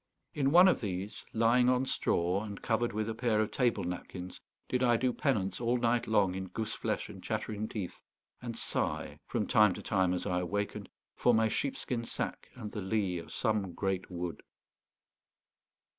In one of these, lying on straw and covered with a pair of table napkins, did I do penance all night long in goose flesh and chattering teeth, and sigh, from time to time as I awakened, for my sheepskin sack and the lee of some great wood.